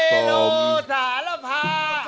เฮโรสารภาค